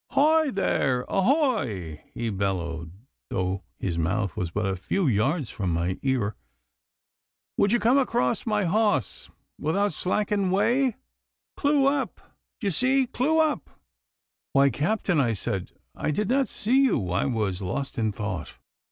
'Hoy there! Ahoy!' he bellowed, though his mouth was but a few yards from my ear. 'Would ye come across my hawse without slacking weigh? Clew up, d'ye see, clew up!' 'Why, Captain,' I said, 'I did not see you. I was lost in thought.